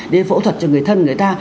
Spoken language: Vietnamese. để phẫu thuật cho người thân người ta